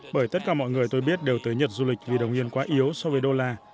bởi tất cả mọi người tôi biết đều tới nhật du lịch vì đồng yên quá yếu so với đô la